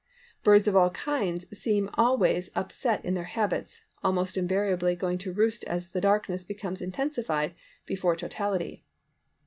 Birds of all kinds seem always upset in their habits, almost invariably going to roost as the darkness becomes intensified before totality.